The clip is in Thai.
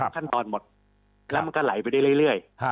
ขั้นตอนหมดแล้วมันก็ไหลไปได้เรื่อย